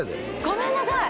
ごめんなさい